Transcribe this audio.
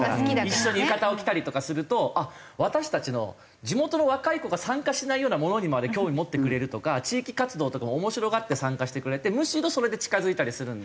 一緒に浴衣を着たりとかすると私たちの地元の若い子が参加しないようなものにまで興味持ってくれるとか地域活動とかも面白がって参加してくれてむしろそれで近付いたりするんで。